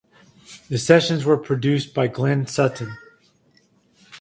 The sessions were produced by Glenn Sutton.